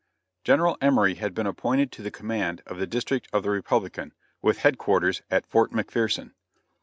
General Emory had been appointed to the command of the District of the Republican, with headquarters at Fort McPherson.